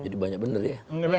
jadi banyak bener ya